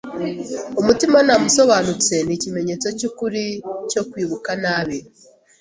Umutimanama usobanutse nikimenyetso cyukuri cyo kwibuka nabi.